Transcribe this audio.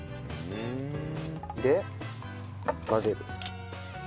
で混ぜる。